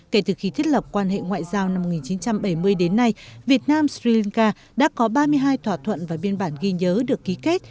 kể từ khi thiết lập quan hệ ngoại giao năm một nghìn chín trăm bảy mươi đến nay việt nam sri lanka đã có ba mươi hai thỏa thuận và biên bản ghi nhớ được ký kết